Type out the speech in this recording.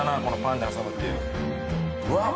このパンで挟むっていう。